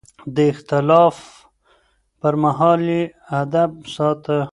د اختلاف پر مهال يې ادب ساته.